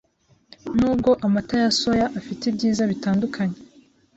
Nubwo amata ya soya afite ibyiza bitandukanye,